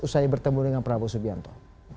usai bertemu dengan prabowo subianto